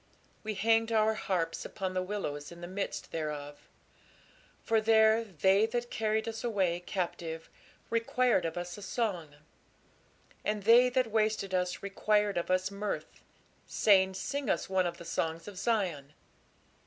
We hanged our harps upon the willows in the midst thereof. For there they that carried us away captive required of us a song; and they that wasted us required of us mirth, saying, Sing us one of the songs of Zion.